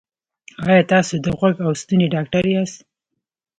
ایا تاسو د غوږ او ستوني ډاکټر یاست؟